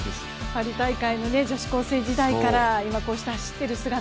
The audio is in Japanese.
パリ大会の女子高校生時代から今、こうして走っている姿。